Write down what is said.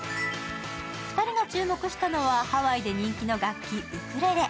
２人が注目したのはハワイで人気の楽器、ウクレレ。